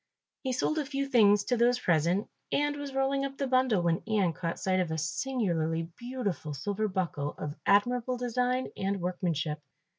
He sold a few things to those present and was rolling up the bundle, when Ian caught sight of a singularly beautiful silver buckle of admirable design and workmanship.